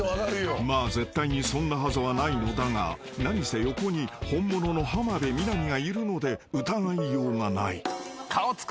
［まあ絶対にそんなはずはないのだが何せ横に本物の浜辺美波がいるので疑いようがない］